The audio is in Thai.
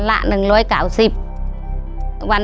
๑หมื่น